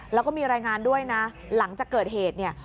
แล้วก็มีรายงานด้วยนะหลังจากเกิดเหตุเนี่ย